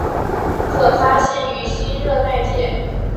可发现于新热带界。